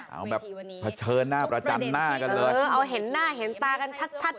เอาแบบเผชิญหน้าประจำหน้ากันเลยเออเอาเห็นหน้าเห็นตากันชัดชัด